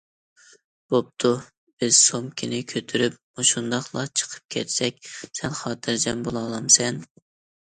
بوپتۇ بىز سومكىنى كۆتۈرۈپ مۇشۇنداقلا چىقىپ كەتسەك سەن خاتىرجەم بولالامسەن؟!